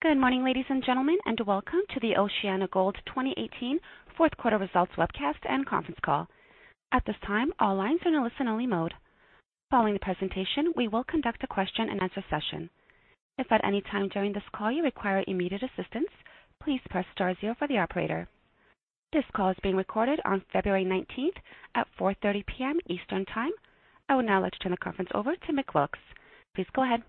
Good morning, ladies and gentlemen, and welcome to the OceanaGold 2018 fourth quarter results webcast and conference call. At this time, all lines are in listen only mode. Following the presentation, we will conduct a question and answer session. If at any time during this call you require immediate assistance, please press star zero for the operator. This call is being recorded on February 19th at 4:30 P.M. Eastern Time. I will now like to turn the conference over to Mick Wilkes. Please go ahead.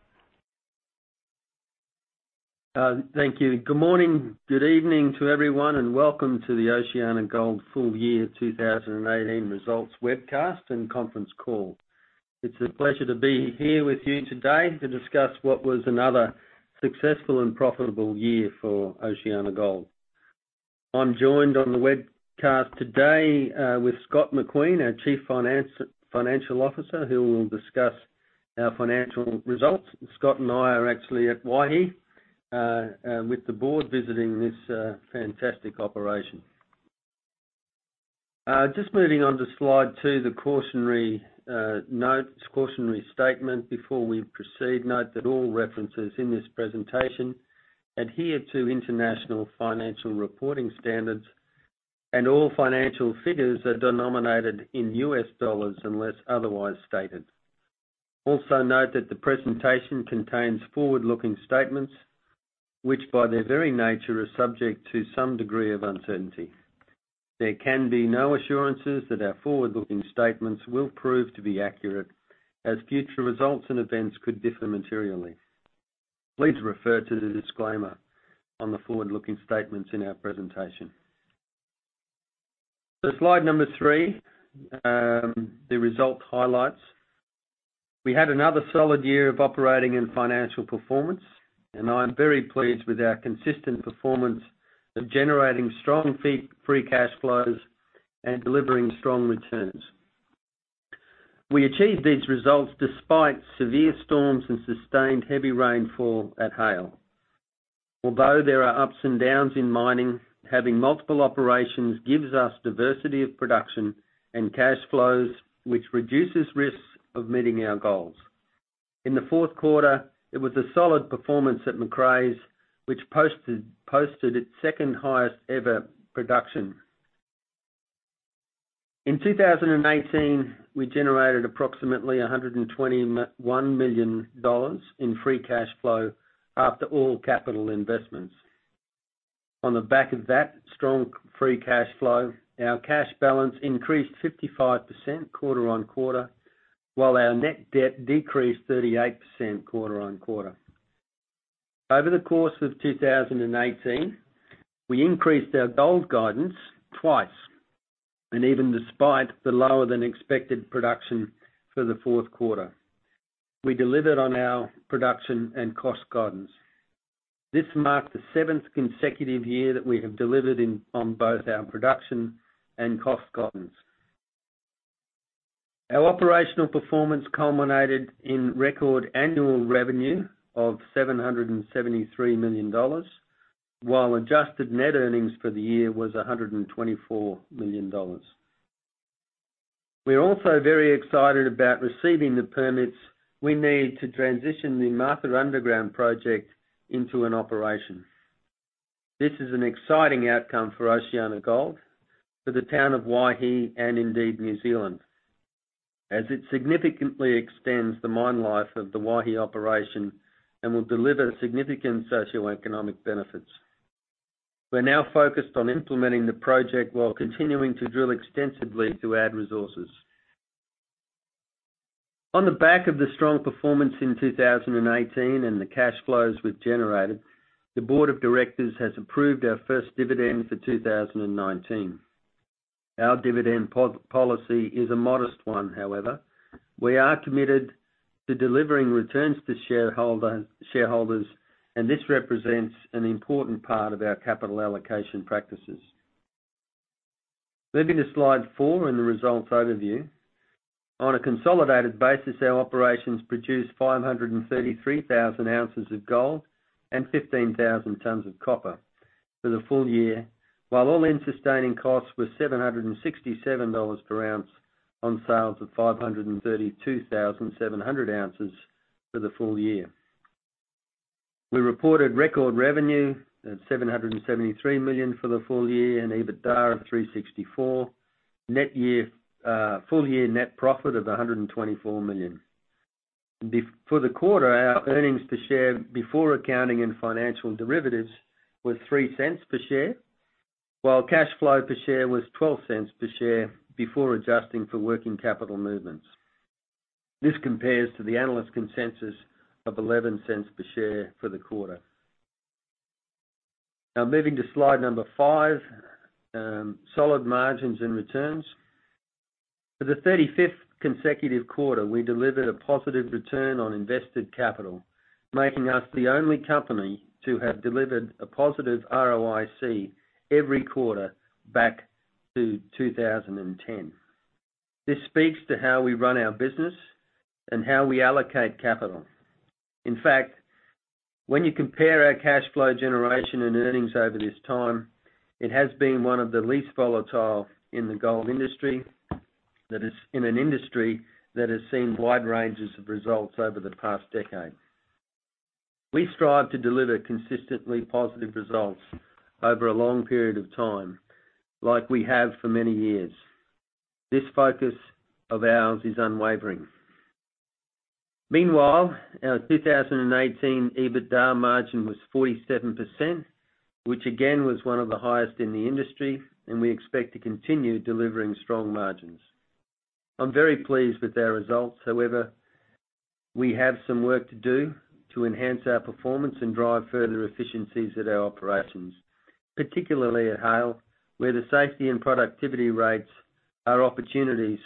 Thank you. Good morning, good evening to everyone, welcome to the OceanaGold full year 2018 results webcast and conference call. It's a pleasure to be here with you today to discuss what was another successful and profitable year for OceanaGold. I'm joined on the webcast today with Scott McQueen, our Chief Financial Officer, who will discuss our financial results. Scott and I are actually at Waihi, with the board visiting this fantastic operation. Just moving on to slide two, the cautionary note, cautionary statement. Before we proceed, note that all references in this presentation adhere to International Financial Reporting Standards, all financial figures are denominated in U.S. dollars unless otherwise stated. Note that the presentation contains forward-looking statements, which by their very nature are subject to some degree of uncertainty. There can be no assurances that our forward-looking statements will prove to be accurate, as future results and events could differ materially. Please refer to the disclaimer on the forward-looking statements in our presentation. Slide number three, the results highlights. We had another solid year of operating and financial performance, I am very pleased with our consistent performance of generating strong free cash flows and delivering strong returns. We achieved these results despite severe storms and sustained heavy rainfall at Haile. There are ups and downs in mining, having multiple operations gives us diversity of production and cash flows, which reduces risks of meeting our goals. In the fourth quarter, it was a solid performance at Macraes, which posted its second highest ever production. In 2018, we generated approximately $121 million in free cash flow after all capital investments. The back of that strong free cash flow, our cash balance increased 55% quarter-on-quarter, while our net debt decreased 38% quarter-on-quarter. Over the course of 2018, we increased our gold guidance twice, even despite the lower than expected production for the fourth quarter. We delivered on our production and cost guidance. This marked the seventh consecutive year that we have delivered on both our production and cost guidance. Our operational performance culminated in record annual revenue of $773 million, while adjusted net earnings for the year was $124 million. We are also very excited about receiving the permits we need to transition the Martha Underground Project into an operation. This is an exciting outcome for OceanaGold, for the town of Waihi, and indeed New Zealand, as it significantly extends the mine life of the Waihi operation and will deliver significant socioeconomic benefits. We're now focused on implementing the project while continuing to drill extensively to add resources. On the back of the strong performance in 2018 and the cash flows we've generated, the board of directors has approved our first dividend for 2019. However, our dividend policy is a modest one. We are committed to delivering returns to shareholders, this represents an important part of our capital allocation practices. Moving to slide four in the results overview. On a consolidated basis, our operations produced 533,000 ounces of gold and 15,000 tons of copper for the full year, while all-in sustaining costs were $767 per ounce on sales of 532,700 ounces for the full year. We reported record revenue at $773 million for the full year, EBITDA of $364 million, full year net profit of $124 million. For the quarter, our earnings per share before accounting and financial derivatives were $0.03 per share, while cash flow per share was $0.12 per share before adjusting for working capital movements. This compares to the analyst consensus of $0.11 per share for the quarter. Moving to slide number five, solid margins and returns. For the 35th consecutive quarter, we delivered a positive return on invested capital, making us the only company to have delivered a positive ROIC every quarter back to 2010. This speaks to how we run our business and how we allocate capital. In fact, when you compare our cash flow generation and earnings over this time, it has been one of the least volatile in the gold industry. That is in an industry that has seen wide ranges of results over the past decade. We strive to deliver consistently positive results over a long period of time, like we have for many years. This focus of ours is unwavering. Meanwhile, our 2018 EBITDA margin was 47%, which again was one of the highest in the industry, we expect to continue delivering strong margins. I'm very pleased with our results. However, we have some work to do to enhance our performance and drive further efficiencies at our operations, particularly at Haile, where the safety and productivity rates are opportunities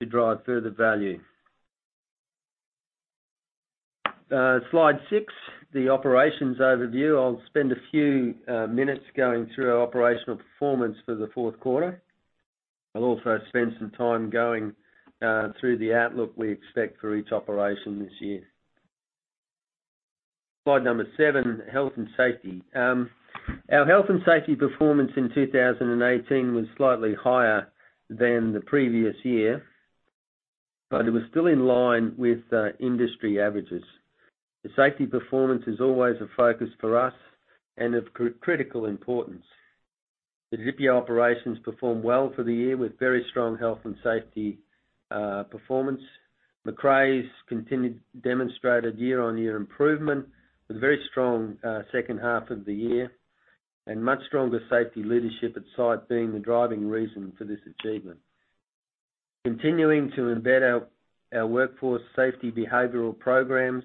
to drive further value. Slide six, the operations overview. I'll spend a few minutes going through our operational performance for the fourth quarter. I'll also spend some time going through the outlook we expect for each operation this year. Slide number seven, health and safety. Our health and safety performance in 2018 was slightly higher than the previous year, it was still in line with industry averages. The safety performance is always a focus for us and of critical importance. The Didipio operations performed well for the year with very strong health and safety performance. Macraes continued, demonstrated year-on-year improvement with very strong second half of the year, much stronger safety leadership at site being the driving reason for this achievement. Continuing to embed our workforce safety behavioral programs,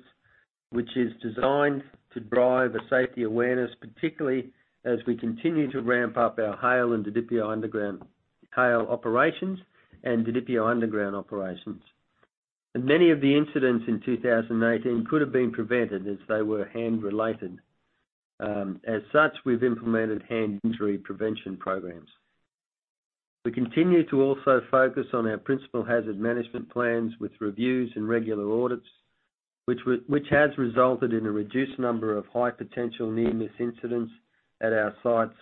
which is designed to drive a safety awareness, particularly as we continue to ramp up our Haile operations and Didipio underground operations. Many of the incidents in 2018 could have been prevented as they were hand-related. As such, we've implemented hand injury prevention programs. We continue to also focus on our principal hazard management plans with reviews and regular audits, which has resulted in a reduced number of high potential near-miss incidents at our sites,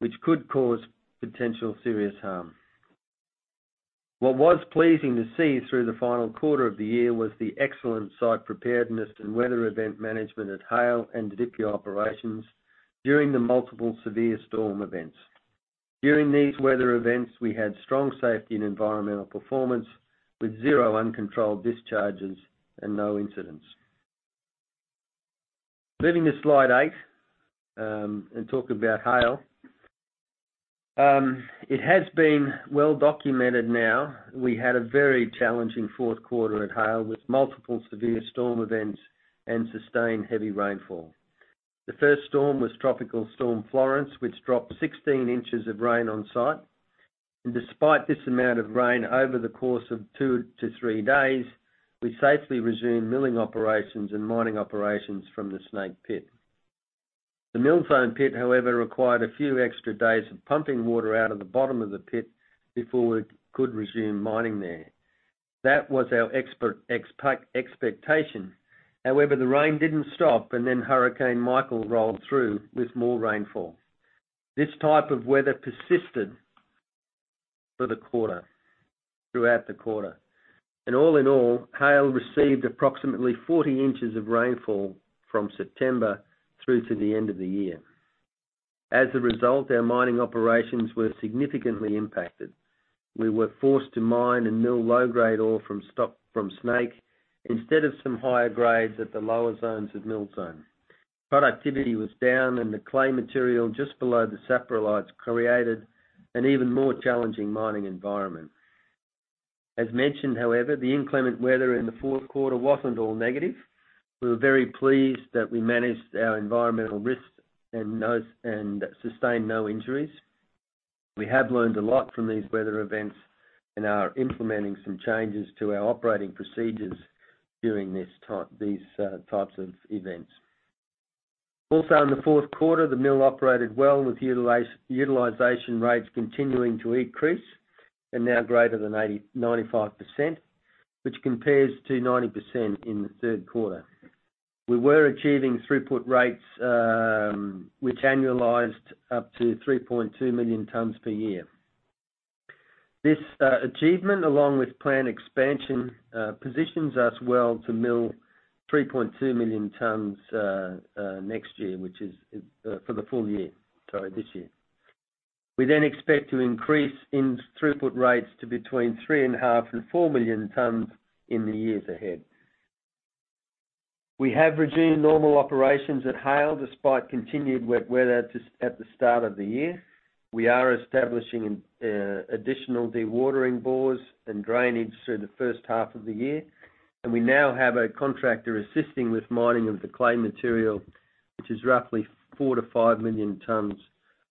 which could cause potential serious harm. What was pleasing to see through the final quarter of the year was the excellent site preparedness and weather event management at Haile and Didipio operations during the multiple severe storm events. During these weather events, we had strong safety and environmental performance with zero uncontrolled discharges and no incidents. Moving to slide eight, talk about Haile. It has been well documented now. We had a very challenging fourth quarter at Haile with multiple severe storm events and sustained heavy rainfall. The first storm was Hurricane Florence, which dropped 16 inches of rain on site. Despite this amount of rain over the course of 2 to 3 days, we safely resumed milling operations and mining operations from the Snake Pit. The Mill Zone pit, however, required a few extra days of pumping water out of the bottom of the pit before we could resume mining there. That was our expectation. However, the rain didn't stop and then Hurricane Michael rolled through with more rainfall. This type of weather persisted for the quarter, throughout the quarter. All in all, Haile received approximately 40 inches of rainfall from September through to the end of the year. As a result, our mining operations were significantly impacted. We were forced to mine and mill low-grade ore from stock from Snake instead of some higher grades at the lower zones of Mill Zone. Productivity was down, the clay material just below the saprolites created an even more challenging mining environment. As mentioned, however, the inclement weather in the fourth quarter wasn't all negative. We were very pleased that we managed our environmental risks and sustained no injuries. We have learned a lot from these weather events and are implementing some changes to our operating procedures during these types of events. Also, in the fourth quarter, the mill operated well with utilization rates continuing to increase and now greater than 95%, which compares to 90% in the third quarter. We were achieving throughput rates which annualized up to 3.2 million tons per year. This achievement, along with plant expansion, positions us well to mill 3.2 million tons next year, which is for the full year. Sorry, this year. We expect to increase in throughput rates to between 3.5 million and 4 million tons in the years ahead. We have resumed normal operations at Haile despite continued wet weather at the start of the year. We are establishing additional dewatering bores and drainage through the first half of the year. We now have a contractor assisting with mining of the clay material, which is roughly 4 million to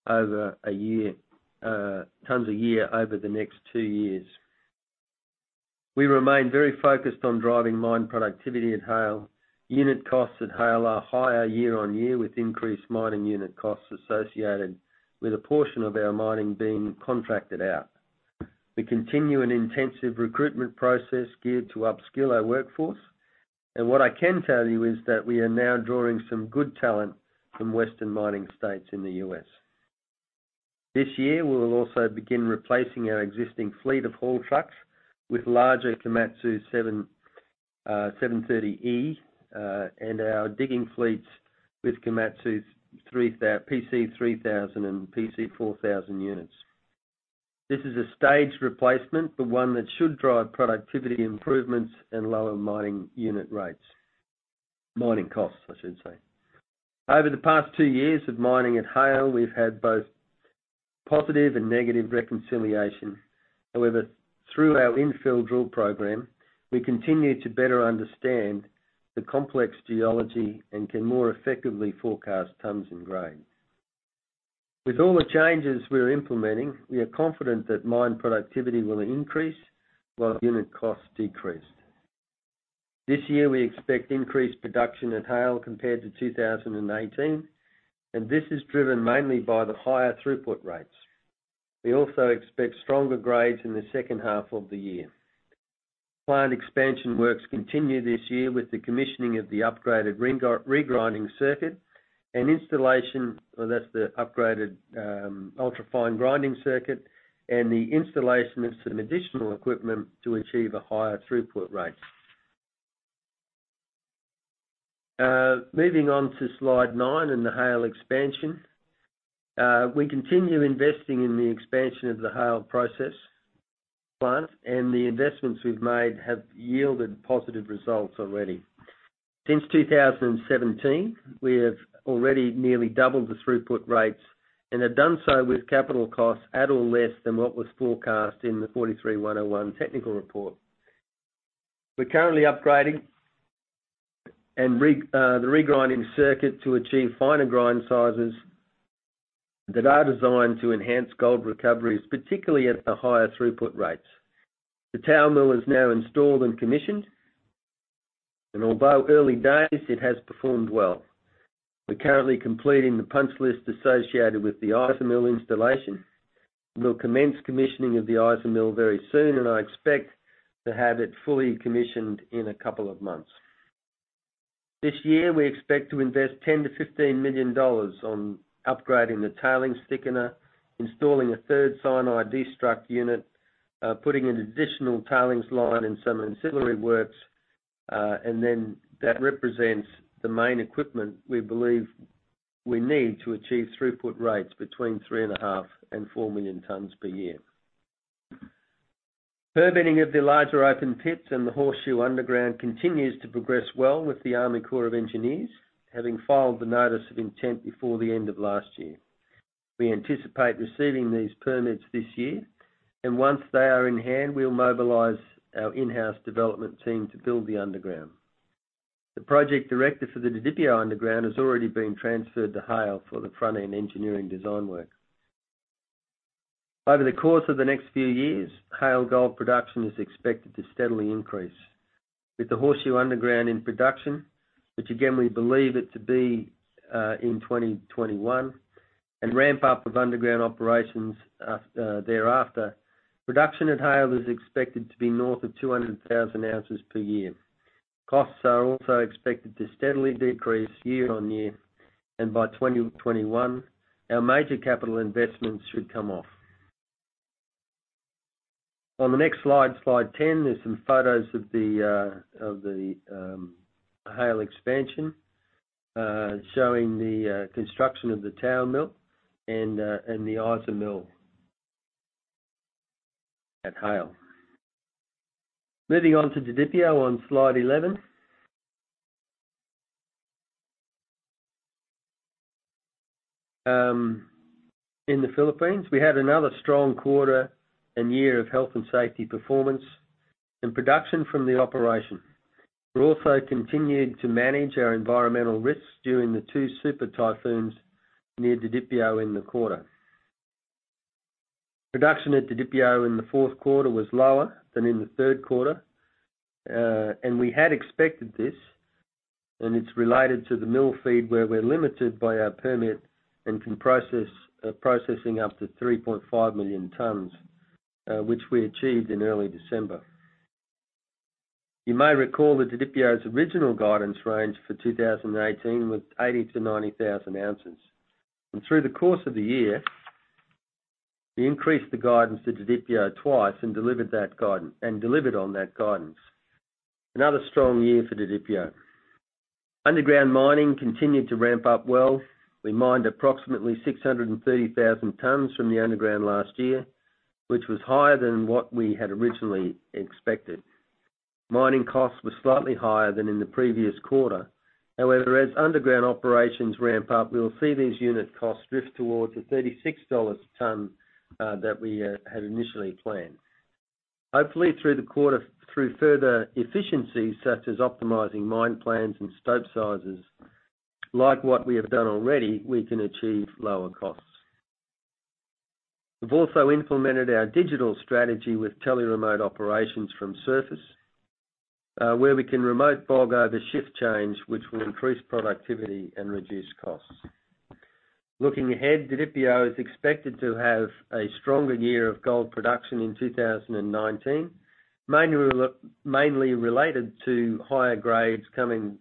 5 million tons a year over the next two years. We remain very focused on driving mine productivity at Haile. Unit costs at Haile are higher year-over-year with increased mining unit costs associated with a portion of our mining being contracted out. We continue an intensive recruitment process geared to upskill our workforce. What I can tell you is that we are now drawing some good talent from Western mining states in the U.S. This year, we will also begin replacing our existing fleet of haul trucks with larger Komatsu 730E, and our digging fleets with Komatsu PC3000 and PC4000 units. This is a staged replacement, but one that should drive productivity improvements and lower mining unit rates. Mining costs, I should say. Over the past two years of mining at Haile, we've had both positive and negative reconciliation. However, through our infill drill program, we continue to better understand the complex geology and can more effectively forecast tonnes and grade. With all the changes we're implementing, we are confident that mine productivity will increase while unit costs decrease. This year, we expect increased production at Haile compared to 2018, and this is driven mainly by the higher throughput rates. We also expect stronger grades in the second half of the year. Plant expansion works continue this year with the commissioning of the upgraded regrinding circuit, an installation. Well, that's the upgraded ultra-fine grinding circuit and the installation of some additional equipment to achieve a higher throughput rate. Moving on to slide nine and the Haile expansion. We continue investing in the expansion of the Haile process plant, and the investments we've made have yielded positive results already. Since 2017, we have already nearly doubled the throughput rates and have done so with capital costs at or less than what was forecast in the NI 43-101 technical report. We're currently upgrading the regrinding circuit to achieve finer grind sizes that are designed to enhance gold recoveries, particularly at the higher throughput rates. The tower mill is now installed and commissioned, and although early days, it has performed well. We're currently completing the punch list associated with the IsaMill installation. We'll commence commissioning of the IsaMill very soon, and I expect to have it fully commissioned in a couple of months. This year, we expect to invest $10 million-$15 million on upgrading the tailings thickener, installing a third cyanide destruct unit, putting an additional tailings line and some ancillary works, and then that represents the main equipment we believe we need to achieve throughput rates between 3.5 million and 4 million tonnes per year. Permitting of the larger open pits and the Horseshoe Underground continues to progress well with the U.S. Army Corps of Engineers, having filed the notice of intent before the end of last year. We anticipate receiving these permits this year, and once they are in hand, we'll mobilize our in-house development team to build the underground. The project director for the Didipio underground has already been transferred to Haile for the front-end engineering design work. Over the course of the next few years, Haile gold production is expected to steadily increase. With the Horseshoe Underground in production, which again, we believe it to be in 2021, and ramp up of underground operations thereafter, production at Haile is expected to be north of 200,000 ounces per year. Costs are also expected to steadily decrease year-on-year, and by 2021, our major capital investments should come off. On the next slide 10, there's some photos of the Haile expansion, showing the construction of the tower mill and the IsaMill at Haile. Moving on to Didipio on slide 11. In the Philippines, we had another strong quarter and year of health and safety performance and production from the operation. We also continued to manage our environmental risks during the two super typhoons near Didipio in the quarter. Production at Didipio in the fourth quarter was lower than in the third quarter. We had expected this, and it's related to the mill feed, where we're limited by our permit and can process, processing up to 3.5 million tonnes, which we achieved in early December. You may recall that Didipio's original guidance range for 2018 was 80,000 to 90,000 ounces. Through the course of the year, we increased the guidance to Didipio twice and delivered on that guidance. Another strong year for Didipio. Underground mining continued to ramp up well. We mined approximately 630,000 tonnes from the underground last year, which was higher than what we had originally expected. Mining costs were slightly higher than in the previous quarter. However, as underground operations ramp up, we'll see these unit costs drift towards the $36 a tonne that we had initially planned. Hopefully, through further efficiencies, such as optimizing mine plans and stope sizes, like what we have done already, we can achieve lower costs. We've also implemented our digital strategy with tele-remote operations from surface, where we can remote bog over shift change, which will increase productivity and reduce costs. Looking ahead, Didipio is expected to have a stronger year of gold production in 2019, mainly related to higher grades coming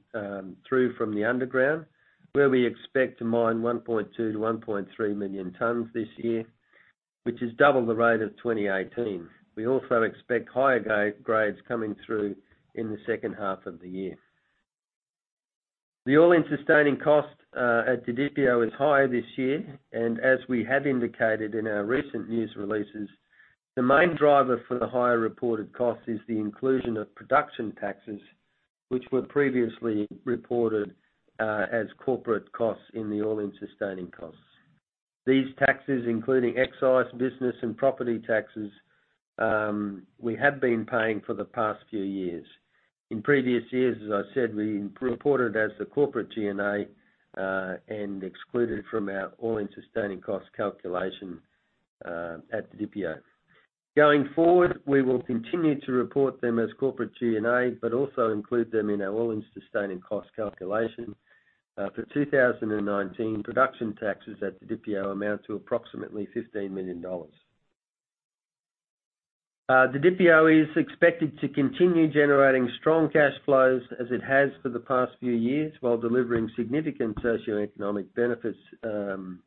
through from the underground, where we expect to mine 1.2 million-1.3 million tonnes this year, which is double the rate of 2018. We also expect higher grades coming through in the second half of the year. The all-in sustaining cost at Didipio is higher this year. As we have indicated in our recent news releases, the main driver for the higher reported cost is the inclusion of production taxes, which were previously reported as corporate costs in the all-in sustaining costs. These taxes, including excise, business, and property taxes, we have been paying for the past few years. In previous years, as I said, we reported as the corporate G&A, and excluded from our all-in sustaining cost calculation at Didipio. Going forward, we will continue to report them as corporate G&A, but also include them in our all-in sustaining cost calculation. For 2019, production taxes at Didipio amount to approximately $15 million. Didipio is expected to continue generating strong cash flows as it has for the past few years, while delivering significant socioeconomic benefits to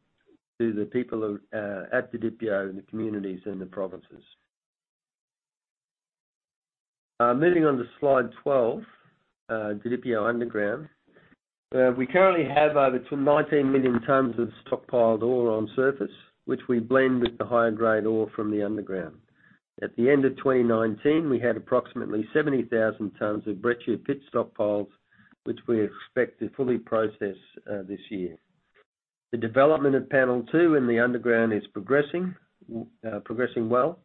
the people at Didipio, in the communities, and the provinces. Moving on to slide 12, Didipio underground. We currently have over 19 million tonnes of stockpiled ore on surface, which we blend with the higher-grade ore from the underground. At the end of 2019, we had approximately 70,000 tonnes of breccia pit stockpiles, which we expect to fully process this year. The development of Panel Two in the underground is progressing well.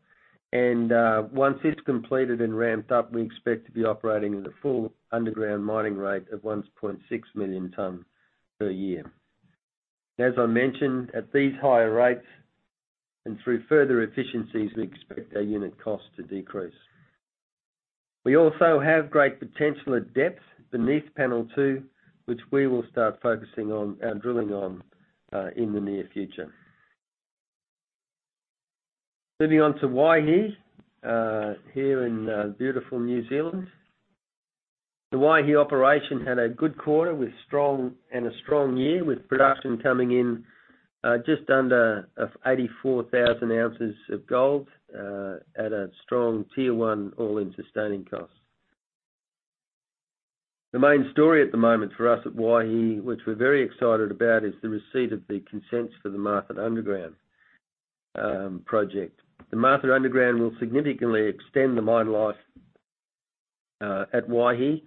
Once it's completed and ramped up, we expect to be operating at a full underground mining rate of 1.6 million tonnes per year. As I mentioned, at these higher rates and through further efficiencies, we expect our unit cost to decrease. We also have great potential at depth beneath Panel Two, which we will start focusing on and drilling on in the near future. Moving on to Waihi, here in beautiful New Zealand. The Waihi operation had a good quarter and a strong year, with production coming in just under 84,000 ounces of gold at a strong tier 1 all-in sustaining costs. The main story at the moment for us at Waihi, which we're very excited about, is the receipt of the consents for the Martha Underground Project. The Martha Underground will significantly extend the mine life at Waihi,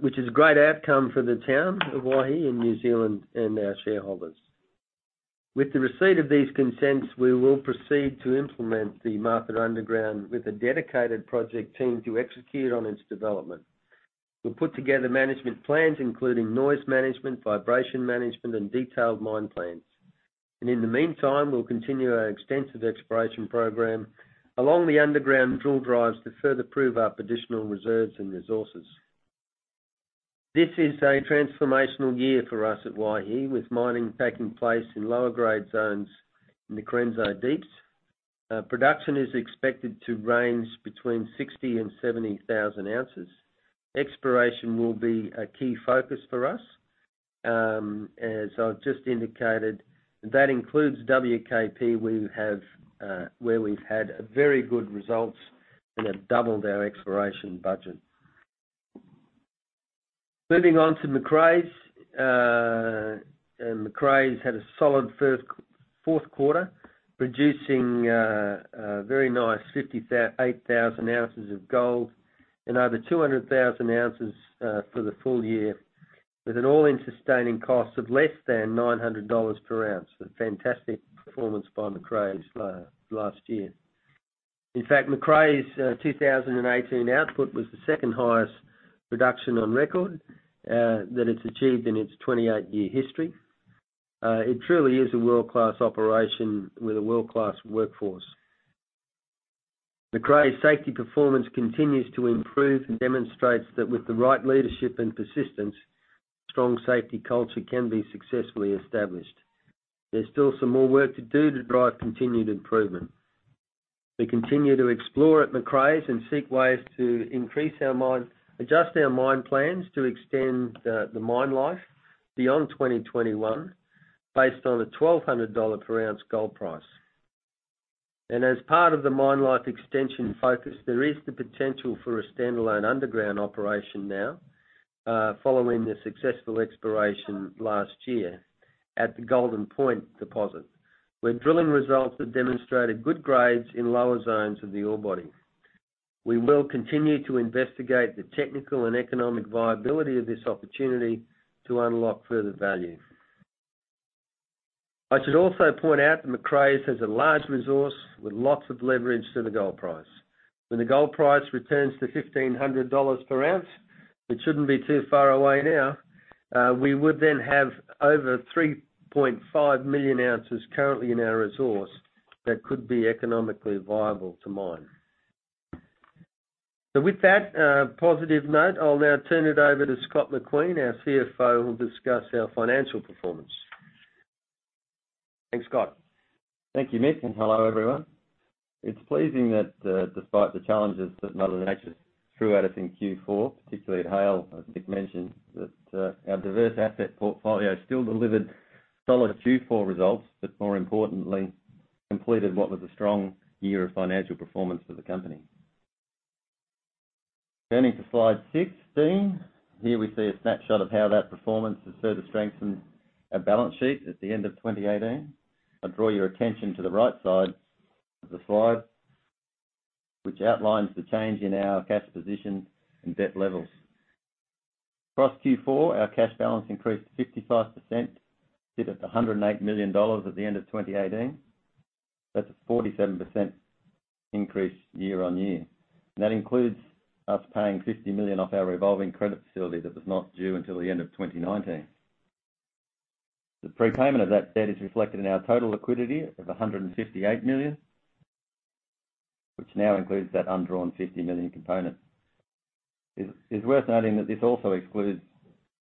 which is a great outcome for the town of Waihi in New Zealand and our shareholders. With the receipt of these consents, we will proceed to implement the Martha Underground with a dedicated project team to execute on its development. We'll put together management plans including noise management, vibration management, and detailed mine plans. In the meantime, we'll continue our extensive exploration program along the underground drill drives to further prove up additional reserves and resources. This is a transformational year for us at Waihi, with mining taking place in lower-grade zones in the Correnso Deeps. Production is expected to range between 60,000 and 70,000 ounces. Exploration will be a key focus for us. As I've just indicated, that includes WKP, where we've had very good results and have doubled our exploration budget. Moving on to Macraes. Macraes had a solid fourth quarter, producing a very nice 58,000 ounces of gold and over 200,000 ounces for the full year with an all-in sustaining costs of less than $900 per ounce. A fantastic performance by Macraes last year. In fact, Macraes' 2018 output was the second highest production on record that it's achieved in its 28-year history. It truly is a world-class operation with a world-class workforce. Macraes' safety performance continues to improve and demonstrates that with the right leadership and persistence, strong safety culture can be successfully established. There's still some more work to do to drive continued improvement. We continue to explore at Macraes and seek ways to adjust our mine plans to extend the mine life beyond 2021 based on a $1,200 per ounce gold price. As part of the mine life extension focus, there is the potential for a standalone underground operation now, following the successful exploration last year at the Golden Point deposit, where drilling results have demonstrated good grades in lower zones of the ore body. We will continue to investigate the technical and economic viability of this opportunity to unlock further value. I should also point out that Macraes has a large resource with lots of leverage to the gold price. When the gold price returns to $1,500 per ounce, which shouldn't be too far away now, we would then have over 3.5 million ounces currently in our resource that could be economically viable to mine. With that positive note, I'll now turn it over to Scott McQueen, our CFO, who'll discuss our financial performance. Thanks, Scott. Thank you, Mick. Hello, everyone. It's pleasing that despite the challenges that Mother Nature threw at us in Q4, particularly at Haile, as Mick mentioned, our diverse asset portfolio still delivered solid Q4 results, but more importantly, completed what was a strong year of financial performance for the company. Turning to slide 16, here we see a snapshot of how that performance has further strengthened our balance sheet at the end of 2018. I'll draw your attention to the right side of the slide, which outlines the change in our cash position and debt levels. Across Q4, our cash balance increased 55%, sit at $108 million at the end of 2018. That's a 47% increase year-over-year. That includes us paying $50 million off our revolving credit facility that was not due until the end of 2019. The prepayment of that debt is reflected in our total liquidity of $158 million, which now includes that undrawn $50 million component. It's worth noting that this also excludes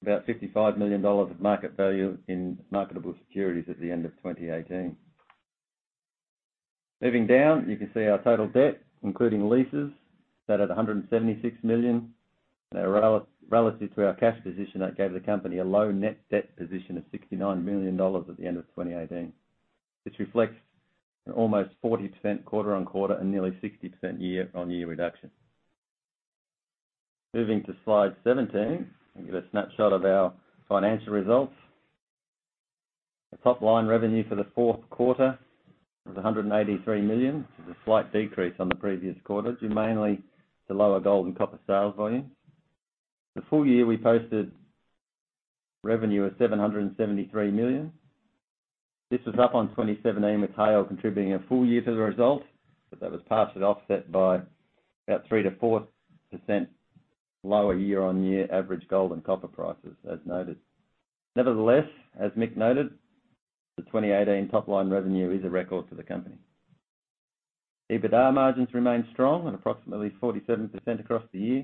about $55 million of market value in marketable securities at the end of 2018. Moving down, you can see our total debt, including leases, sat at $176 million. Relative to our cash position, that gave the company a low net debt position of $69 million at the end of 2018, which reflects an almost 40% quarter-over-quarter and nearly 60% year-over-year reduction. Moving to slide 17, we get a snapshot of our financial results. The top-line revenue for the fourth quarter was $183 million. This is a slight decrease from the previous quarter, due mainly to lower gold and copper sales volumes. The full year we posted revenue of $773 million. This was up on 2017, with Haile contributing a full year to the result, but that was partially offset by about 3%-4% lower year-over-year average gold and copper prices, as noted. Nevertheless, as Mick noted, the 2018 top-line revenue is a record for the company. EBITDA margins remained strong at approximately 47% across the year.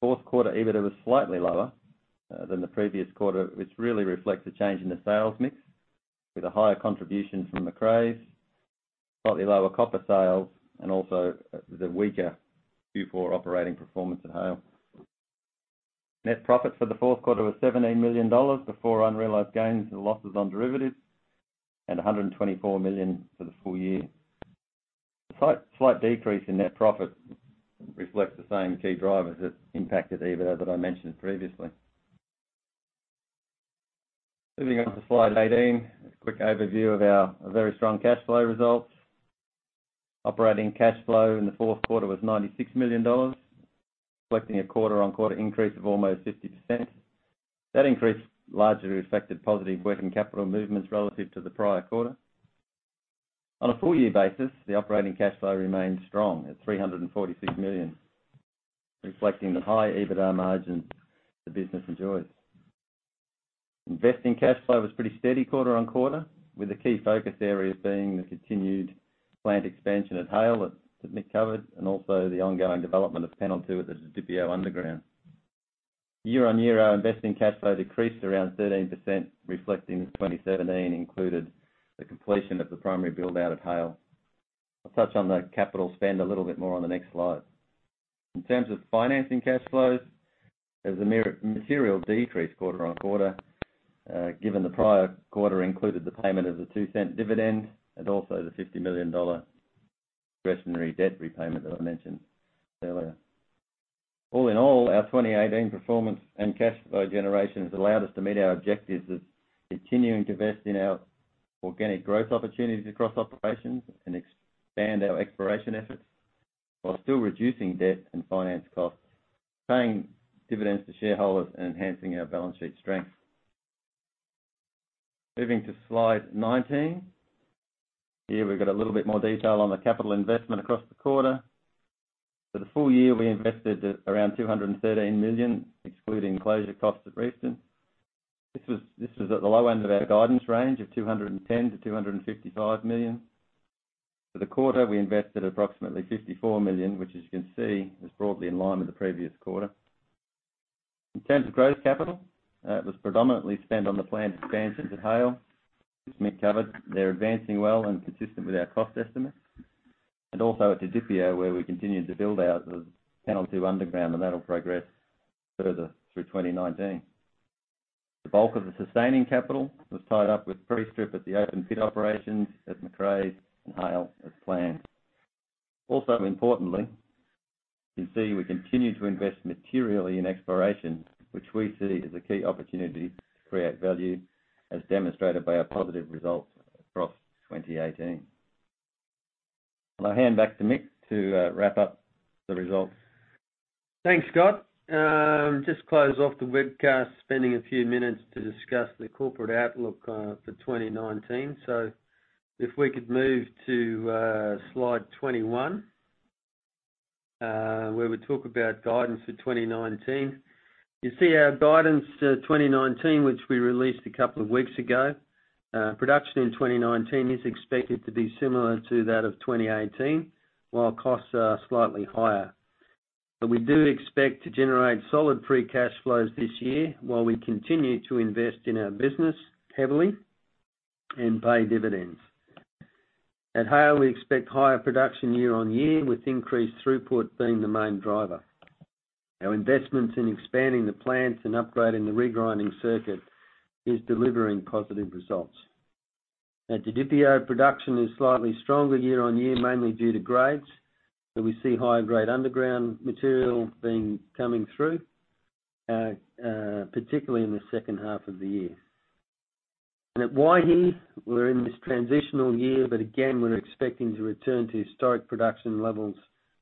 Fourth quarter EBITDA was slightly lower than the previous quarter, which really reflects a change in the sales mix, with a higher contribution from Macraes, slightly lower copper sales, and also the weaker Q4 operating performance at Haile. Net profit for the fourth quarter was $17 million before unrealized gains and losses on derivatives, and $124 million for the full year. The slight decrease in net profit reflects the same key drivers that impacted EBITDA that I mentioned previously. Moving on to slide 18, a quick overview of our very strong cash flow results. Operating cash flow in the fourth quarter was $96 million, reflecting a quarter-over-quarter increase of almost 50%. That increase largely reflected positive working capital movements relative to the prior quarter. On a full year basis, the operating cash flow remains strong at $346 million, reflecting the high EBITDA margins the business enjoys. Investing cash flow was pretty steady quarter-over-quarter, with the key focus areas being the continued plant expansion at Haile that Mick covered, and also the ongoing development of Panel Two at the Didipio underground. Year-over-year, our investing cash flow decreased around 13%, reflecting that 2017 included the completion of the primary build-out at Haile. I'll touch on the capital spend a little bit more on the next slide. In terms of financing cash flows, there was a material decrease quarter-over-quarter, given the prior quarter included the payment of the $0.02 dividend and also the $50 million discretionary debt repayment that I mentioned earlier. All in all, our 2018 performance and cash flow generation has allowed us to meet our objectives of continuing to invest in our organic growth opportunities across operations and expand our exploration efforts while still reducing debt and finance costs, paying dividends to shareholders, and enhancing our balance sheet strength. Moving to slide 19. Here we've got a little bit more detail on the capital investment across the quarter. For the full year, we invested around $213 million, excluding closure costs at Reefton. This was at the low end of our guidance range of $210 million-$255 million. For the quarter, we invested approximately $54 million, which, as you can see, was broadly in line with the previous quarter. In terms of growth capital, it was predominantly spent on the plant expansions at Haile, which Mick covered. They're advancing well and consistent with our cost estimates. Also at Didipio, where we continued to build out the Panel Two underground, and that'll progress further through 2019. The bulk of the sustaining capital was tied up with pre-strip at the open pit operations at Macraes and Haile as planned. Importantly, you can see we continued to invest materially in exploration, which we see as a key opportunity to create value, as demonstrated by our positive results across 2018. I'll hand back to Mick to wrap up the results. Thanks, Scott. Just close off the webcast, spending a few minutes to discuss the corporate outlook for 2019. If we could move to slide 21, where we talk about guidance for 2019. You see our guidance to 2019, which we released a couple of weeks ago. Production in 2019 is expected to be similar to that of 2018, while costs are slightly higher. We do expect to generate solid free cash flows this year while we continue to invest in our business heavily and pay dividends. At Haile, we expect higher production year-on-year, with increased throughput being the main driver. Our investments in expanding the plants and upgrading the regrinding circuit is delivering positive results. At Didipio, production is slightly stronger year-on-year, mainly due to grades. We see higher grade underground material coming through, particularly in the second half of the year. At Waihi, we're in this transitional year, but again, we're expecting to return to historic production levels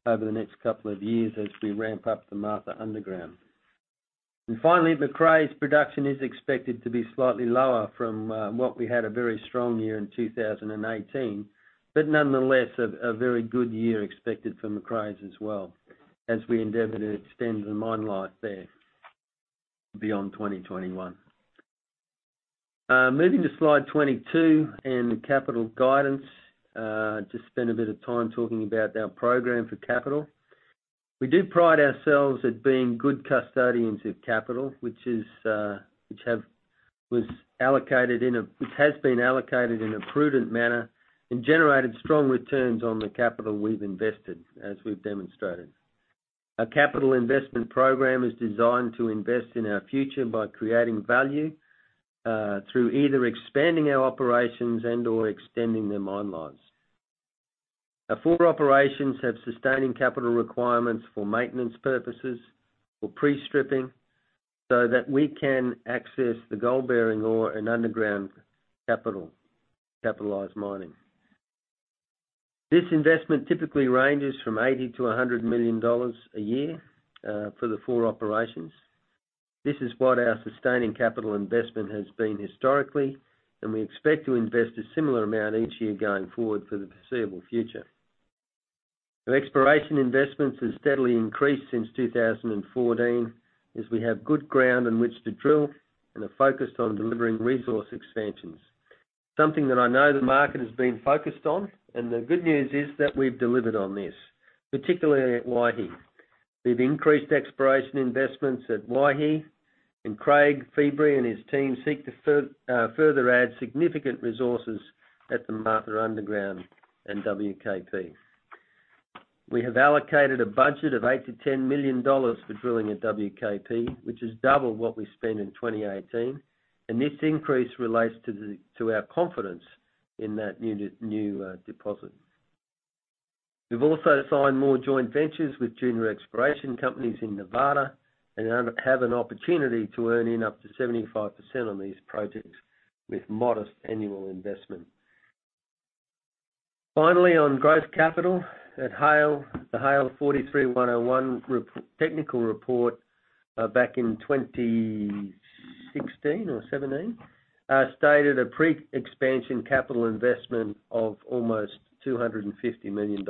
over the next couple of years as we ramp up the Martha Underground. Finally, Macraes production is expected to be slightly lower from what we had a very strong year in 2018. Nonetheless, a very good year expected for Macraes as well as we endeavor to extend the mine life there beyond 2021. Moving to slide 22 and the capital guidance. To spend a bit of time talking about our program for capital. We do pride ourselves at being good custodians of capital, which has been allocated in a prudent manner and generated strong returns on the capital we've invested, as we've demonstrated. Our capital investment program is designed to invest in our future by creating value, through either expanding our operations and/or extending the mine lives. Our four operations have sustaining capital requirements for maintenance purposes, for pre-stripping, so that we can access the gold-bearing ore and underground capitalized mining. This investment typically ranges from $80 million-$100 million a year for the four operations. This is what our sustaining capital investment has been historically, and we expect to invest a similar amount each year going forward for the foreseeable future. Our exploration investments have steadily increased since 2014 as we have good ground in which to drill and are focused on delivering resource expansions. Something that I know the market has been focused on, the good news is that we've delivered on this, particularly at Waihi. We've increased exploration investments at Waihi, Craig Feebrey and his team seek to further add significant resources at the Martha Underground and WKP. We have allocated a budget of $8 million-$10 million for drilling at WKP, which is double what we spent in 2018, and this increase relates to our confidence in that new deposit. We've also signed more joint ventures with junior exploration companies in Nevada and have an opportunity to earn in up to 75% on these projects with modest annual investment. Finally, on growth capital at Haile, the Haile 43-101 technical report back in 2016 or 2017, stated a pre-expansion capital investment of almost $250 million.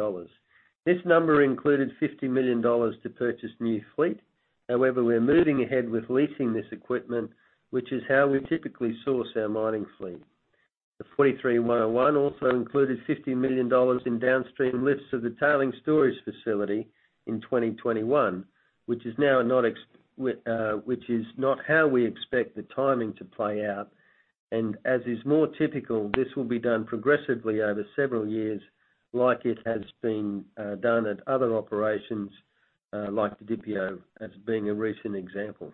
This number included $50 million to purchase new fleet. However, we're moving ahead with leasing this equipment, which is how we typically source our mining fleet. The 43-101 also included $50 million in downstream lifts of the tailing storage facility in 2021, which is not how we expect the timing to play out. As is more typical, this will be done progressively over several years, like it has been done at other operations, like Didipio as being a recent example.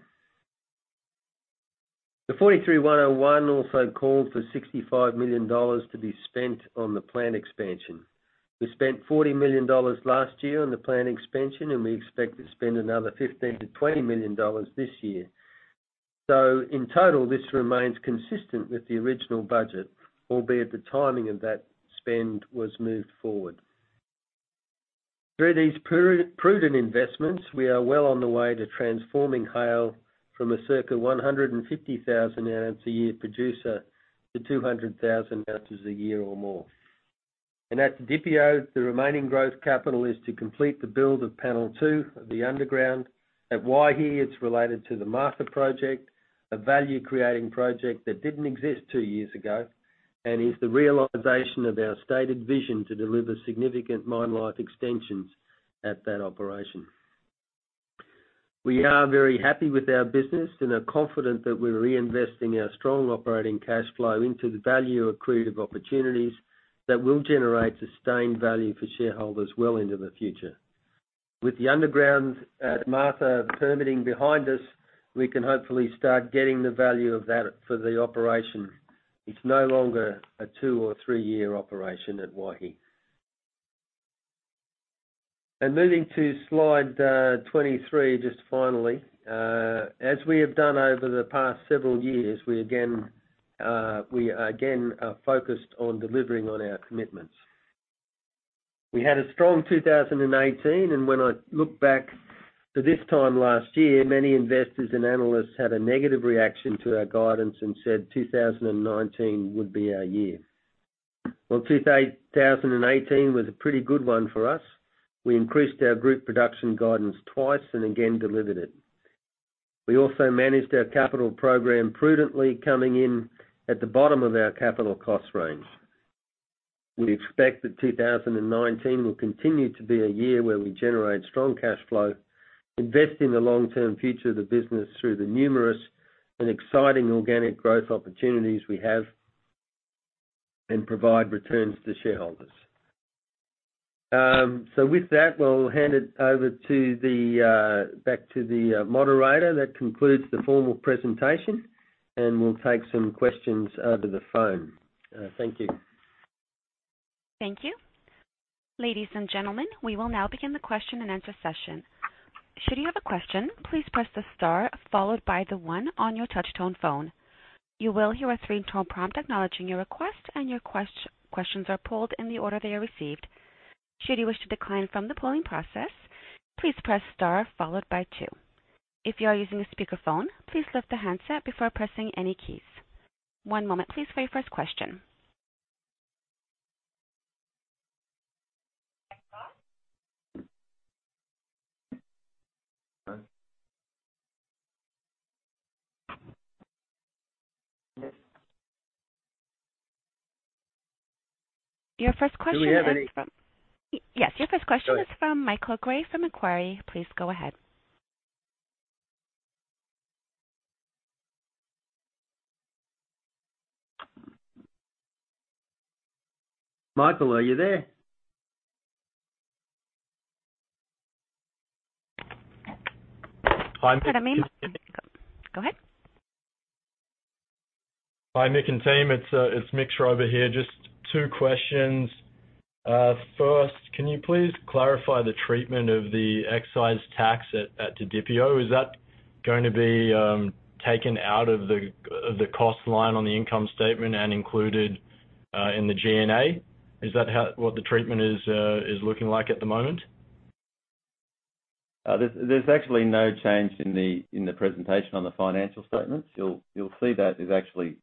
The 43-101 also called for $65 million to be spent on the plant expansion. We spent $40 million last year on the plant expansion, and we expect to spend another $15 million-$20 million this year. In total, this remains consistent with the original budget, albeit the timing of that spend was moved forward. Through these prudent investments, we are well on the way to transforming Haile from a circa 150,000 ounce a year producer to 200,000 ounces a year or more. At Didipio, the remaining growth capital is to complete the build of Panel Two of the underground. At Waihi, it's related to the Martha Project, a value-creating project that didn't exist two years ago, and is the realization of our stated vision to deliver significant mine life extensions at that operation. We are very happy with our business and are confident that we're reinvesting our strong operating cash flow into the value-accretive opportunities that will generate sustained value for shareholders well into the future. With the Underground at Martha permitting behind us, we can hopefully start getting the value of that for the operation. It's no longer a two or three-year operation at Waihi. Moving to slide 23, just finally. As we have done over the past several years, we again are focused on delivering on our commitments. We had a strong 2018, when I look back to this time last year, many investors and analysts had a negative reaction to our guidance and said 2019 would be our year. Well, 2018 was a pretty good one for us. We increased our group production guidance twice and again delivered it. We also managed our capital program prudently, coming in at the bottom of our capital cost range. We expect that 2019 will continue to be a year where we generate strong cash flow, invest in the long-term future of the business through the numerous and exciting organic growth opportunities we have, and provide returns to shareholders. With that, I'll hand it back to the moderator. That concludes the formal presentation, we'll take some questions over the phone. Thank you. Thank you. Ladies and gentlemen, we will now begin the question and answer session. Should you have a question, please press the star followed by the one on your touch-tone phone. You will hear a three-tone prompt acknowledging your request, your questions are polled in the order they are received. Should you wish to decline from the polling process, please press star followed by two. If you are using a speakerphone, please lift the handset before pressing any keys. One moment, please, for your first question. Your first question is from- Do we have any? Yes. Your first question is from Michael Gray from Macquarie. Please go ahead. Michael, are you there? Hi, Mick and team. Go ahead. Hi, Mick and team. It's Mitch Schroeder here. Just two questions. First, can you please clarify the treatment of the excise tax at Didipio? Is that going to be taken out of the cost line on the income statement and included in the G&A? Is that what the treatment is looking like at the moment? There's actually no change in the presentation on the financial statements. You'll see that is actually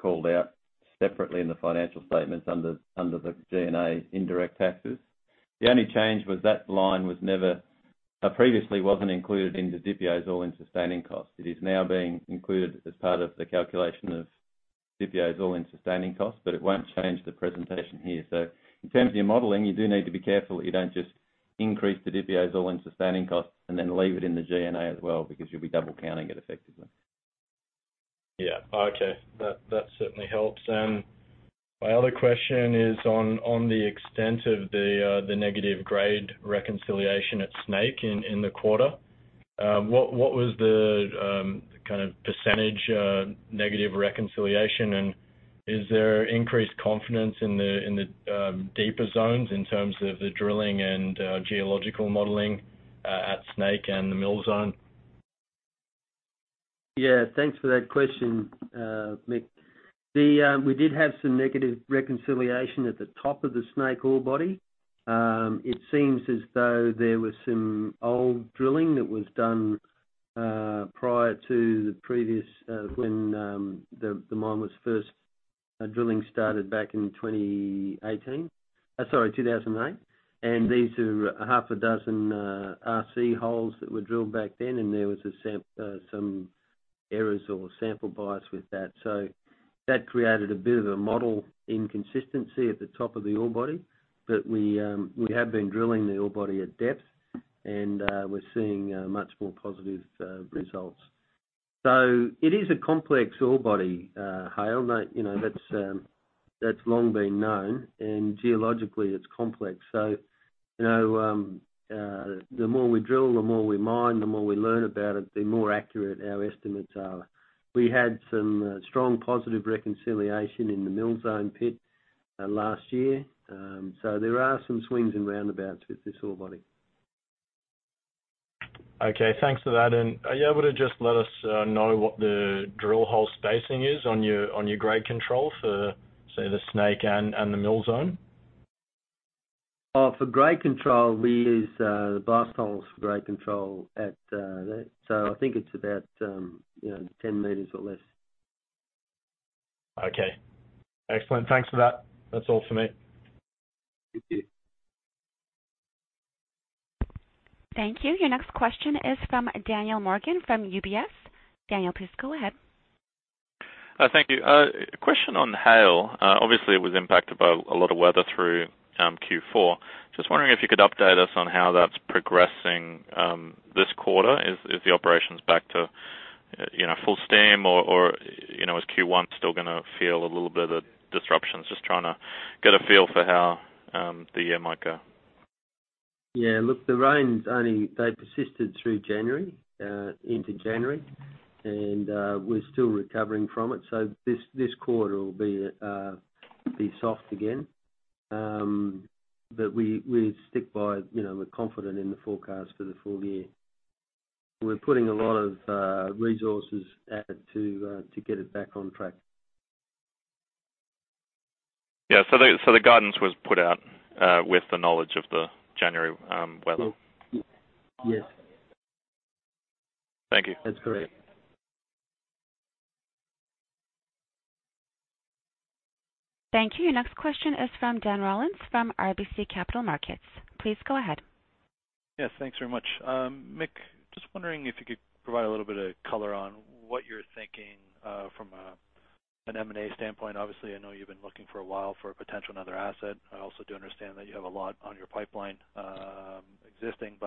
called out separately in the financial statements under the G&A indirect taxes. The only change was that line previously wasn't included in Didipio's all-in sustaining costs. It is now being included as part of the calculation of Didipio's all-in sustaining costs, but it won't change the presentation here. In terms of your modeling, you do need to be careful that you don't just increase Didipio's all-in sustaining costs and then leave it in the G&A as well, because you'll be double counting it effectively. Yeah. Okay. That certainly helps. My other question is on the extent of the negative grade reconciliation at Snake in the quarter. What was the % negative reconciliation, and is there increased confidence in the deeper zones in terms of the drilling and geological modeling at Snake and the Mill Zone? Yeah, thanks for that question, Mick. We did have some negative reconciliation at the top of the Snake ore body. It seems as though there was some old drilling that was done prior to the previous. Drilling started back in 2018. Sorry, 2008. These are half a dozen RC holes that were drilled back then, and there was some errors or sample bias with that. That created a bit of a model inconsistency at the top of the ore body. We have been drilling the ore body at depth, and we're seeing much more positive results. It is a complex ore body, Haile. That's long been known, and geologically it's complex. The more we drill, the more we mine, the more we learn about it, the more accurate our estimates are. We had some strong positive reconciliation in the Mill Zone pit last year. There are some swings and roundabouts with this ore body. Okay. Thanks for that. Are you able to just let us know what the drill hole spacing is on your grade control for, say, the Snake and the Mill Zone? For grade control, we use the blast holes for grade control at that. I think it's about 10 meters or less. Okay. Excellent. Thanks for that. That's all for me. Thank you. Thank you. Your next question is from Daniel Morgan from UBS. Daniel, please go ahead. Thank you. A question on Haile. Obviously, it was impacted by a lot of weather through Q4. Just wondering if you could update us on how that's progressing this quarter. Is the operations back to full steam, or is Q1 still gonna feel a little bit of disruptions? Just trying to get a feel for how the year might go. Yeah, look, the rains only persisted through January, into January, and we're still recovering from it. This quarter will be soft again. We stick by it. We're confident in the forecast for the full year. We're putting a lot of resources to get it back on track. Yeah. The guidance was put out with the knowledge of the January weather. Yes. Thank you. That's correct. Thank you. Your next question is from Dan Rollins from RBC Capital Markets. Please go ahead. Yes, thanks very much. Mick, just wondering if you could provide a little bit of color on what you're thinking from an M&A standpoint. Obviously, I know you've been looking for a while for a potential another asset. I also do understand that you have a lot on your pipeline existing.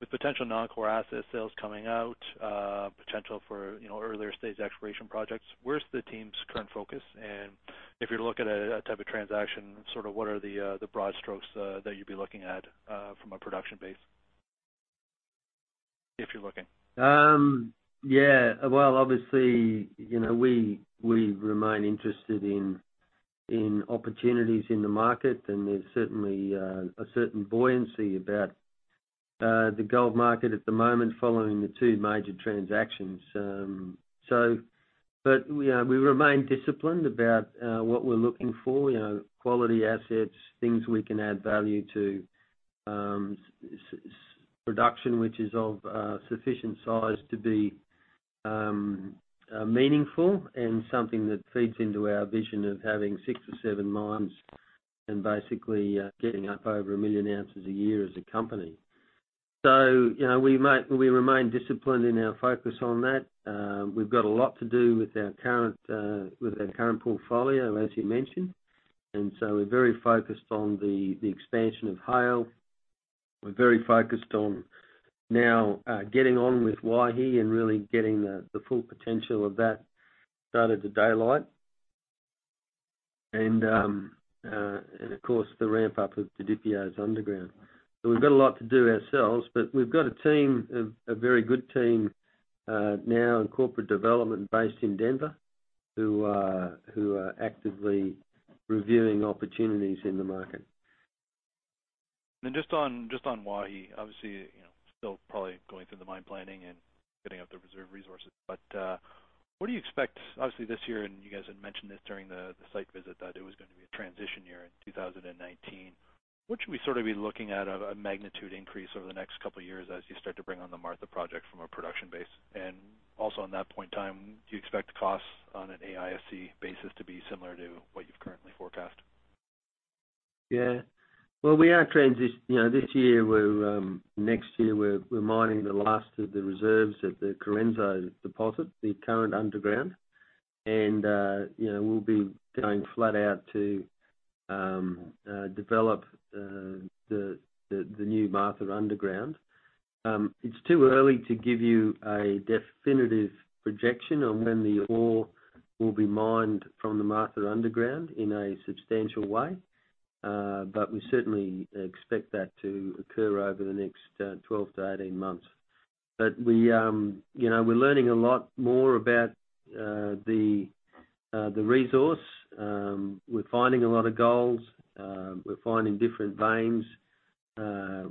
With potential non-core asset sales coming out, potential for earlier stage exploration projects, where's the team's current focus? If you're looking at that type of transaction, sort of what are the broad strokes that you'd be looking at from a production base, if you're looking? Well, obviously, we remain interested in opportunities in the market, there's certainly a certain buoyancy about the gold market at the moment following the two major transactions. We remain disciplined about what we're looking for, quality assets, things we can add value to. Production which is of sufficient size to be meaningful, something that feeds into our vision of having six or seven mines, basically getting up over 1 million ounces a year as a company. We remain disciplined in our focus on that. We've got a lot to do with our current portfolio, as you mentioned. We're very focused on the expansion of Haile. We're very focused on now getting on with Waihi and really getting the full potential of that started to daylight. Of course, the ramp up of Didipio's underground. We've got a lot to do ourselves, we've got a very good team now in corporate development based in Denver who are actively reviewing opportunities in the market. Just on Waihi. Obviously, still probably going through the mine planning and setting up the reserve resources. What do you expect, obviously this year, you guys had mentioned this during the site visit that it was going to be a transition year in 2019. What should we sort of be looking at a magnitude increase over the next couple of years as you start to bring on the Martha project from a production base? Also on that point in time, do you expect costs on an AISC basis to be similar to what you've currently forecast? Yeah. Well, this year, next year, we're mining the last of the reserves at the Correnso deposit, the current underground. We'll be going flat out to develop the new Martha Underground. It's too early to give you a definitive projection on when the ore will be mined from the Martha Underground in a substantial way. We certainly expect that to occur over the next 12 to 18 months. We're learning a lot more about the resource. We're finding a lot of gold. We're finding different veins.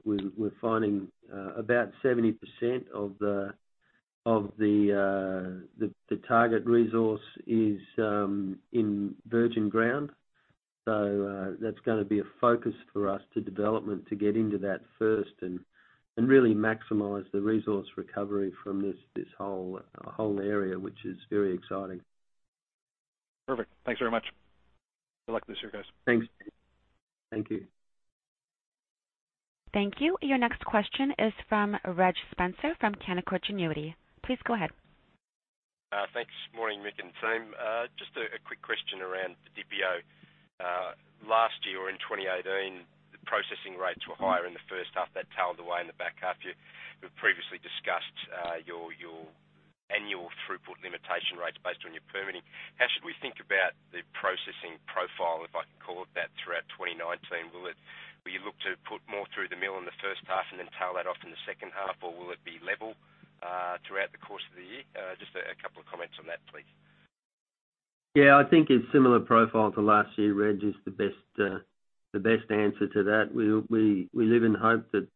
We're finding about 70% of the target resource is in virgin ground. That's going to be a focus for us to development to get into that first and really maximize the resource recovery from this whole area, which is very exciting. Perfect. Thanks very much. Good luck this year, guys. Thanks. Thank you. Thank you. Your next question is from Reg Spencer from Canaccord Genuity. Please go ahead. Thanks. Morning, Mick and team. Just a quick question around Didipio. Last year in 2018, the processing rates were higher in the first half. That tailed away in the back half. You've previously discussed your annual throughput limitation rates based on your permitting. How should we think about the processing profile, if I can call it that, throughout 2019? Will you look to put more through the mill in the first half and then tail that off in the second half, or will it be level throughout the course of the year? Just a couple of comments on that, please. Yeah, I think it's similar profile to last year, Reg, is the best answer to that. We live in hope that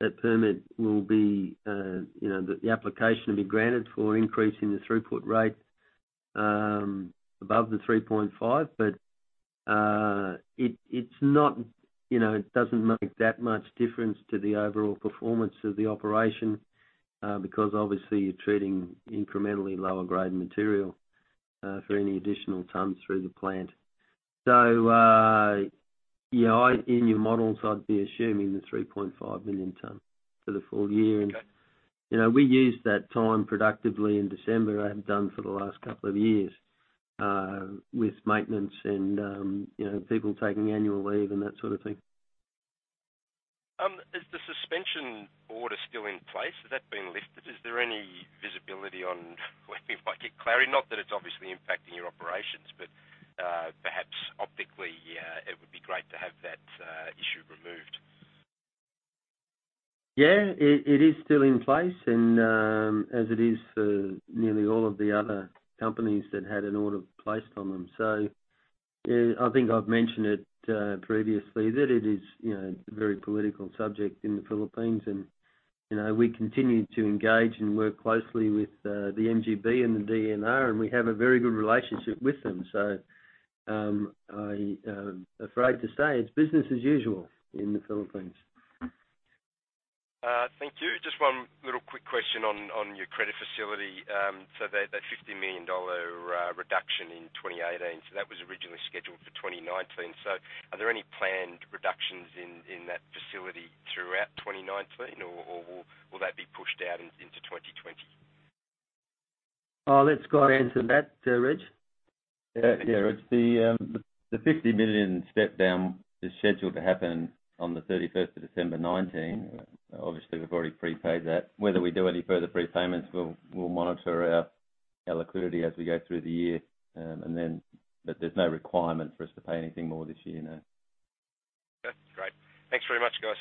that permit, that the application will be granted for increasing the throughput rates above the 3.5, it doesn't make that much difference to the overall performance of the operation because obviously you're treating incrementally lower grade material for any additional tonnes through the plant. In your models, I'd be assuming the 3.5 million tonne for the full year. Okay. We use that time productively in December, and have done for the last couple of years, with maintenance and people taking annual leave and that sort of thing. Is the suspension order still in place? Has that been lifted? Is there any visibility on when we might get clarity? Not that it's obviously impacting your operations, but perhaps optically, it would be great to have that issue removed. Yeah. It is still in place and as it is for nearly all of the other companies that had an order placed on them. I think I've mentioned it previously that it is a very political subject in the Philippines. We continue to engage and work closely with the MGB and the DENR, and we have a very good relationship with them. I am afraid to say, it's business as usual in the Philippines. Thank you. Just one little quick question on your credit facility. That $50 million reduction in 2018, that was originally scheduled for 2019. Are there any planned reductions in that facility throughout 2019, or will that be pushed out into 2020? Let Scott answer that, Reg. Yeah, Reg, the $50 million step-down is scheduled to happen on the 31st of December 2019. Obviously, we've already prepaid that. Whether we do any further prepayments, we'll monitor our liquidity as we go through the year. There's no requirement for us to pay anything more this year, no. Okay, great. Thanks very much, guys.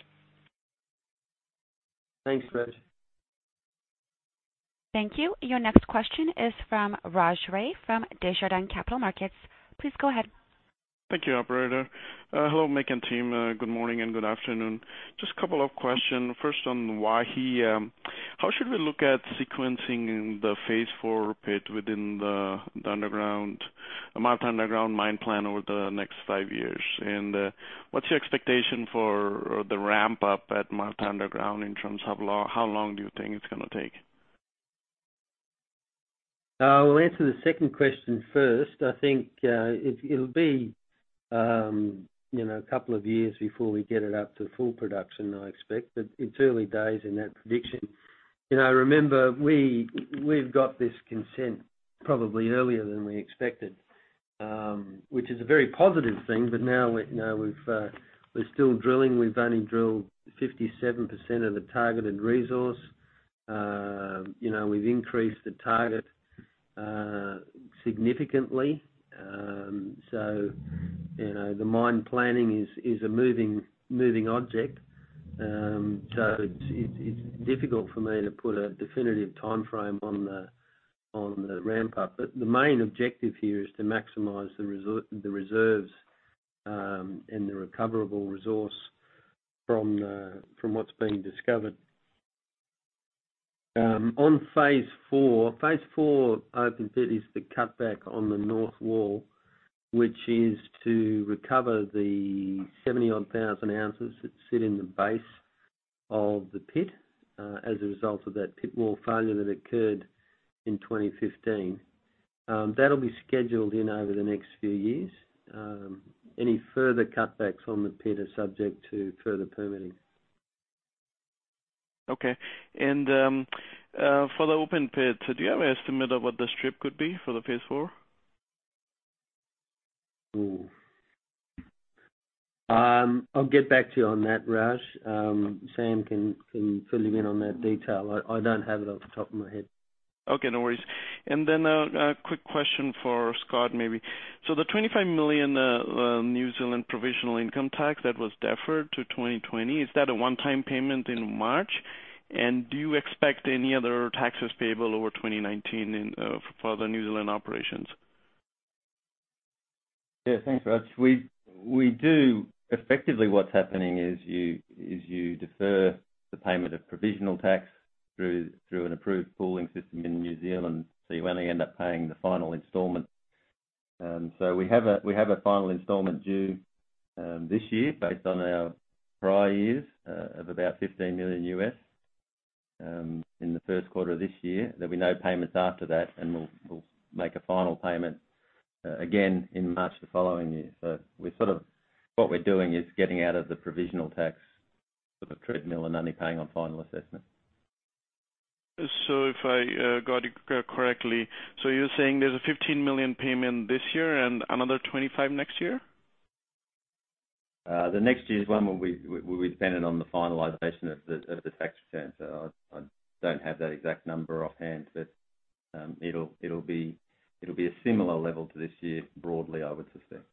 Thanks, Reg. Thank you. Your next question is from Raj Ray from Desjardins Capital Markets. Please go ahead. Thank you, operator. Hello, Mick and team. Good morning and good afternoon. Just a couple of questions. First on Waihi. How should we look at sequencing the phase four pit within the Martha Underground mine plan over the next five years? What's your expectation for the ramp-up at Martha Underground in terms of how long do you think it's going to take? I'll answer the second question first. I think it'll be a couple of years before we get it up to full production, I expect, but it's early days in that prediction. Remember, we've got this consent probably earlier than we expected, which is a very positive thing. Now, we're still drilling. We've only drilled 57% of the targeted resource. We've increased the target significantly. The mine planning is a moving object. It's difficult for me to put a definitive timeframe on the ramp-up. The main objective here is to maximize the reserves and the recoverable resource from what's been discovered. On phase 4, phase 4 open pit is the cutback on the North Wall, which is to recover the 70,000-odd ounces that sit in the base of the pit, as a result of that pit wall failure that occurred in 2015. That'll be scheduled in over the next few years. Any further cutbacks on the pit are subject to further permitting. Okay. For the open pit, do you have an estimate of what the strip could be for the phase 4? Ooh. I'll get back to you on that, Raj. Sam can fill you in on that detail. I don't have it off the top of my head. Okay, no worries. A quick question for Scott, maybe. The 25 million New Zealand dollars provisional income tax that was deferred to 2020, is that a one-time payment in March? Do you expect any other taxes payable over 2019 for the New Zealand operations? Thanks, Raj. Effectively, what's happening is you defer the payment of provisional tax through an approved pooling system in New Zealand, you only end up paying the final installment. We have a final installment due this year based on our prior years of about $15 million in the first quarter of this year. There'll be no payments after that, we'll make a final payment again in March the following year. What we're doing is getting out of the provisional tax treadmill and only paying on final assessment. If I got it correctly, you're saying there's a $15 million payment this year and another 25 million next year? The next year's one will be dependent on the finalization of the tax return. I don't have that exact number offhand, but it'll be a similar level to this year, broadly, I would suspect.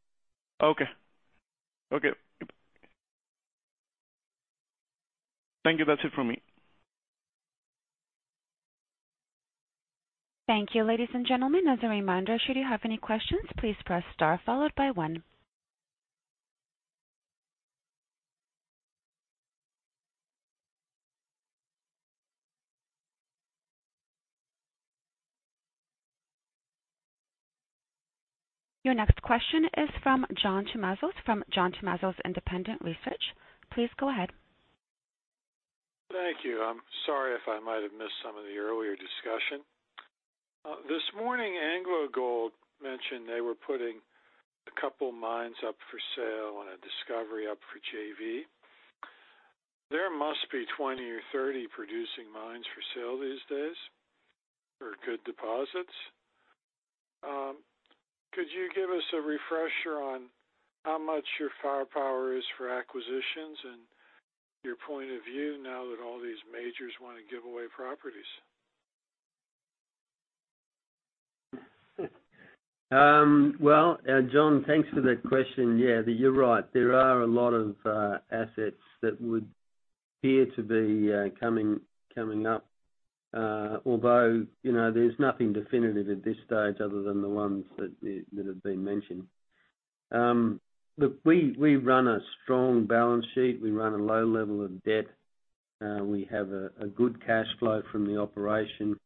Okay. Thank you. That's it from me. Thank you, ladies and gentlemen. As a reminder, should you have any questions, please press star followed by one. Your next question is from John Tumazos from John Tumazos Independent Research. Please go ahead. Thank you. I'm sorry if I might have missed some of the earlier discussion. This morning, AngloGold mentioned they were putting a couple mines up for sale and a discovery up for JV. There must be 20 or 30 producing mines for sale these days, or good deposits. Could you give us a refresher on how much your firepower is for acquisitions and your point of view now that all these majors want to give away properties? Well, John, thanks for that question. Yeah, you're right. There are a lot of assets that would appear to be coming up. Although, there's nothing definitive at this stage other than the ones that have been mentioned. Look, we run a strong balance sheet. We run a low level of debt. We have a good cash flow from the operation.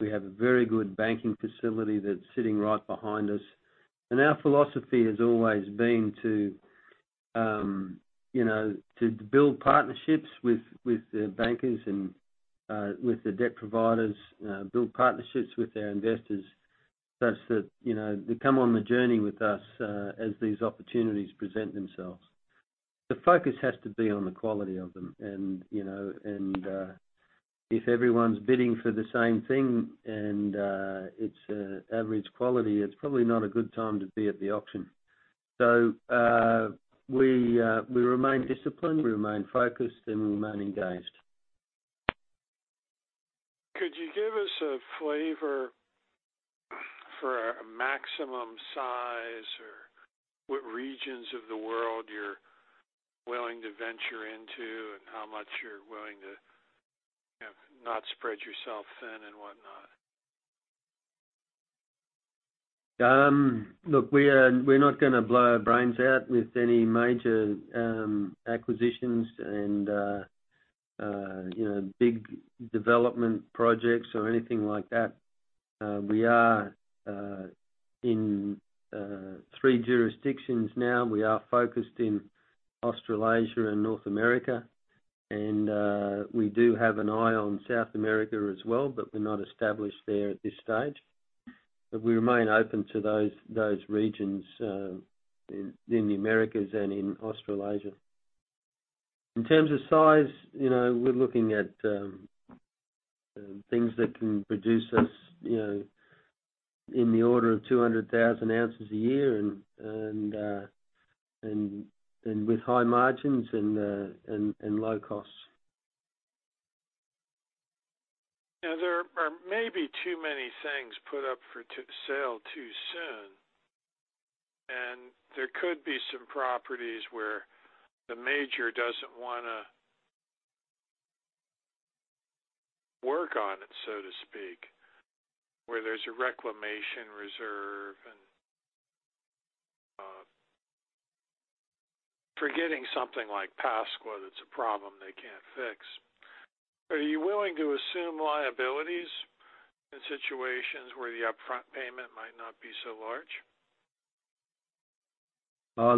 We have a very good banking facility that's sitting right behind us. Our philosophy has always been to build partnerships with the bankers and with the debt providers, build partnerships with our investors such that they come on the journey with us as these opportunities present themselves. The focus has to be on the quality of them. If everyone's bidding for the same thing and it's average quality, it's probably not a good time to be at the auction. We remain disciplined, we remain focused, and we remain engaged. Could you give us a flavor for a maximum size or what regions of the world you're willing to venture into and how much you're willing to not spread yourself thin and whatnot? We're not going to blow our brains out with any major acquisitions and big development projects or anything like that. We are in three jurisdictions now. We are focused in Australasia and North America, and we do have an eye on South America as well, but we're not established there at this stage. We remain open to those regions in the Americas and in Australasia. In terms of size, we're looking at things that can produce us in the order of 200,000 ounces a year and with high margins and low costs. There are maybe too many things put up for sale too soon, and there could be some properties where the major doesn't want to work on it, so to speak, where there's a reclamation reserve and forgetting something like Pascua that's a problem they can't fix. Are you willing to assume liabilities in situations where the upfront payment might not be so large?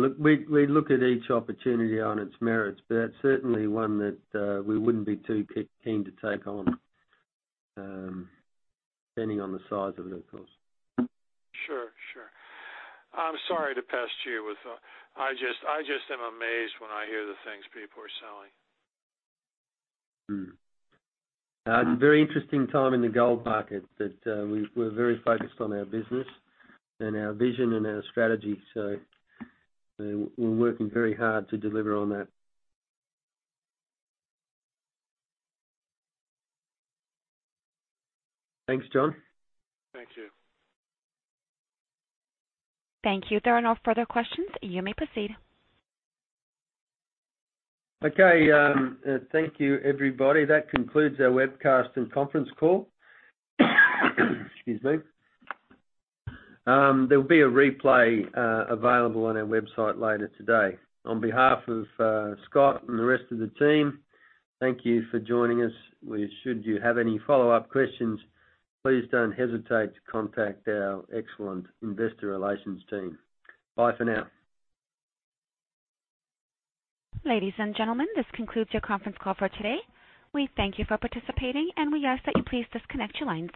Look, we look at each opportunity on its merits, that's certainly one that we wouldn't be too keen to take on, depending on the size of it, of course. Sure. I'm sorry to pester you with I just am amazed when I hear the things people are selling. It's a very interesting time in the gold market that we're very focused on our business and our vision and our strategy. We're working very hard to deliver on that. Thanks, John. Thank you. Thank you. There are no further questions. You may proceed. Okay. Thank you, everybody. That concludes our webcast and conference call. Excuse me. There will be a replay available on our website later today. On behalf of Scott and the rest of the team, thank you for joining us. Should you have any follow-up questions, please don't hesitate to contact our excellent investor relations team. Bye for now. Ladies and gentlemen, this concludes your conference call for today. We thank you for participating, and we ask that you please disconnect your lines.